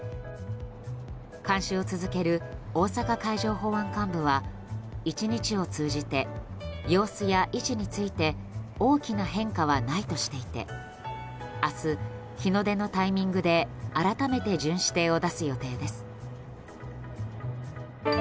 監視を続ける大阪海上保安監部は１日を通じて様子や位置について大きな変化はないとしていて明日、日の出のタイミングで改めて巡視艇を出す予定です。